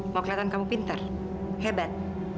mau kelihatan kamu pinter hebat